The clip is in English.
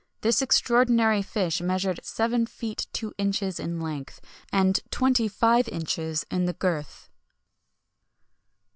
This extraordinary fish measured seven feet two inches in length, and twenty five inches in the girth.